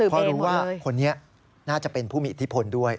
เพราะรู้ว่าคนนี้น่าจะเป็นผู้มีอิทธิพลด้วย